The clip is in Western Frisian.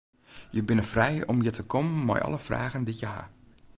Je binne frij om hjir te kommen mei alle fragen dy't je ha.